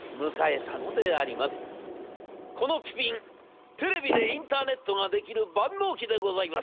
『このピピンテレビでインターネットができる万能機でございます。